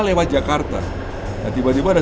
lewat jakarta nah tiba tiba ada